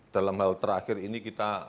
dalam hal terakhir ini kita